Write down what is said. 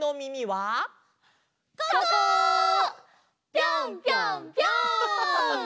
ぴょんぴょんぴょん！